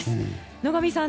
野上さん